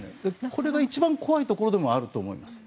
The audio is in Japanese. これが一番怖いところでもあると思います。